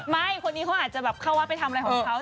คนนี้เขาอาจจะแบบเข้าวัดไปทำอะไรของเขา